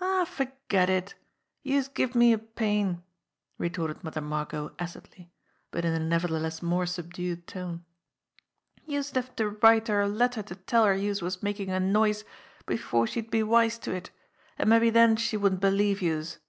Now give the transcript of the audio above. "Aw, forget it ! Youse gives me a pain !" retorted Mother Margot acidly, but in a nevertheless more subdued tone. "Youse'd have to write her a letter to tell her youse was makin' a noise before she'd be wise to it, an' mabbe den she wouldn't believe youse